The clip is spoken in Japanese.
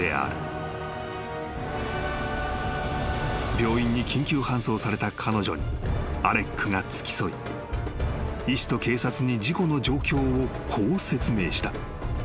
［病院に緊急搬送された彼女にアレックが付き添い医師と警察に事故の状況をこう説明した］